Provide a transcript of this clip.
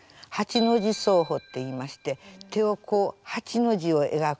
８の字奏法っていいまして手をこう８の字をえがくように。